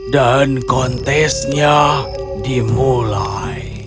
dan kontesnya dimulai